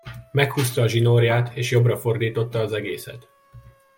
Meghúzta a zsinórját és jobbra fordította az egészet.